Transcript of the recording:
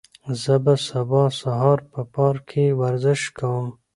زه به سبا سهار په پارک کې ورزش کوم.